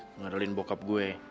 mengadalin bokap gue